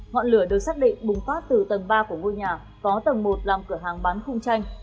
ngọn lửa được xác định bùng phát từ tầng ba của ngôi nhà có tầng một làm cửa hàng bán khung tranh